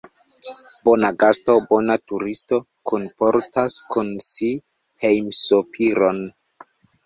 Bona gasto, bona turisto, kunportas kun si hejmsopiron.